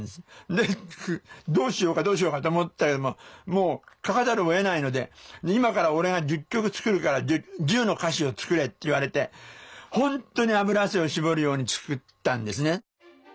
でどうしようかどうしようかと思ったけどもう書かざるをえないので「今から俺が１０曲作るから１０の歌詞を作れ」って言われて本当に脂汗を絞るように作ったんですね。